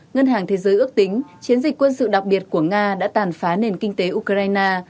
ngân hàng thế giới ước tính chiến dịch quân sự đặc biệt của nga đã tàn phá nền kinh tế ukraine